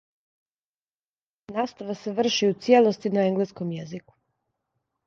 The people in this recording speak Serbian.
Настава се врши у цијелости на енглеском језику.